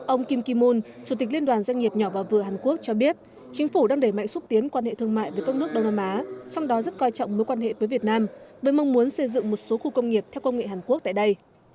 ông kim kymon chủ tịch liên đoàn doanh nghiệp nhỏ và vừa hàn quốc cho biết chính phủ đang đẩy mạnh xúc tiến quan hệ thương mại với các nước đông nam á trong đó rất coi trọng mối quan hệ với việt nam với mong muốn xây dựng một số khu công nghiệp theo công nghệ hàn quốc tại đây